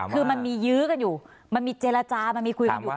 คือมันมียื้อกันอยู่มันมีเจรจามันมีคุยกันอยู่